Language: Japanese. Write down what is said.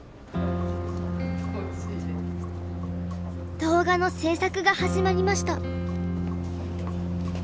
動画の制作が始まりました。